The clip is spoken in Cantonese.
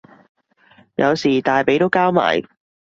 有時大髀都交埋